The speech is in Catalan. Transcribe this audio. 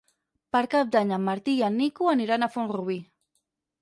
Per Cap d'Any en Martí i en Nico aniran a Font-rubí.